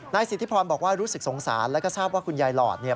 สิทธิพรบอกว่ารู้สึกสงสารแล้วก็ทราบว่าคุณยายหลอดเนี่ย